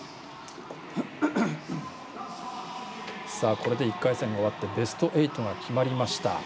これで１回戦が終わってベスト８が決まりました。